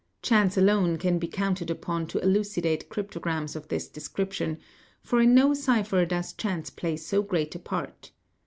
Chance alone can be counted upon to elucidate cryptograms of this description, for in no cipher does chance play so great a part.